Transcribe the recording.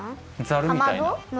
ザルみたいな。